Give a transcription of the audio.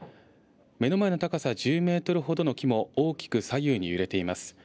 目の前の高さ１０メートルほどの木も、大きく左右に揺れています。